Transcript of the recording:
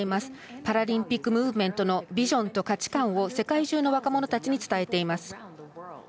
パラリンピックムーブメントのビジョンと価値観を世界中の若者たちに伝えています。